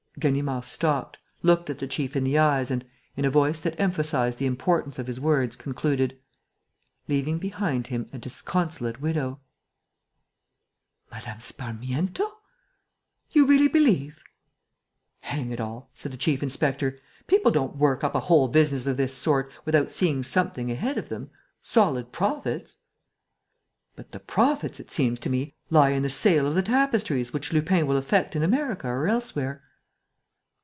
Ganimard stopped, looked the chief in the eyes and, in a voice that emphasized the importance of his words, concluded: "Leaving behind him a disconsolate widow." "Mme. Sparmiento! You really believe....? "Hang it all!" said the chief inspector. "People don't work up a whole business of this sort, without seeing something ahead of them ... solid profits." "But the profits, it seems to me, lie in the sale of the tapestries which Lupin will effect in America or elsewhere."